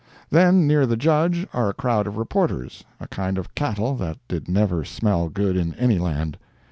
Then, near the Judge are a crowd of reporters—a kind of cattle that did never smell good in any land.